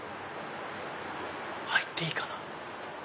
入っていいかな？